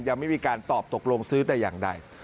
ยังไม่มีการตอบตกลงซื้อแต่อย่างใด